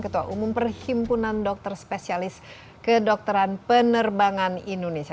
ketua umum perhimpunan dokter spesialis kedokteran penerbangan indonesia